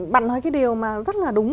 bạn nói cái điều mà rất là đúng